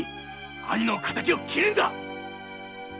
兄の敵を斬るんだ‼